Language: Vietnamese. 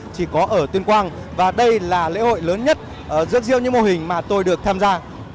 chỉ có ở tuyên quang và đây là lễ hội lớn nhất giữa riêng những mô hình mà tôi được tham gia